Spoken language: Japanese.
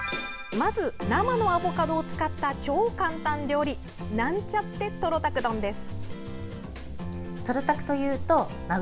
まず、生のアボカドを使った超簡単料理なんちゃってトロたく丼です。